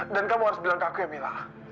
dan kamu harus bilang ke aku ya mila